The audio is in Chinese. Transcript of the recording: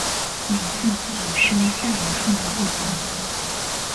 每次所生蛋的数目不详。